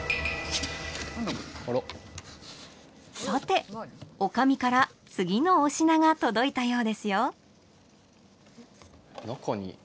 さておかみから次のお品が届いたようですよ中に。